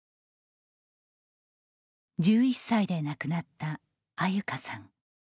１１歳で亡くなった安優香さん。